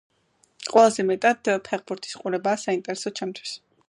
ყველაზე მეტად ფეხბურთის ყურებაა საინტერესო ჩემთვის.